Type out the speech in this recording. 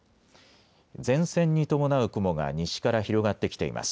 前線に伴う雲が西から広がってきています。